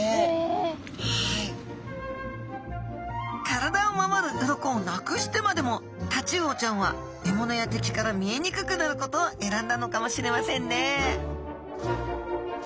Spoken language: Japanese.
体を守る鱗をなくしてまでもタチウオちゃんは獲物や敵から見えにくくなることを選んだのかもしれませんね